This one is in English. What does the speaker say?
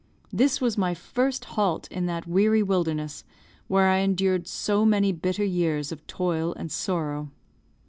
This was my first halt in that weary wilderness, where I endured so many bitter years of toil and sorrow.